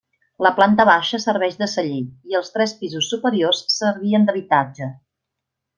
La planta baixa serveix de celler i els tres pisos superiors servien d'habitatge.